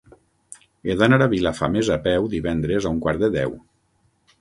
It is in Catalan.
He d'anar a Vilafamés a peu divendres a un quart de deu.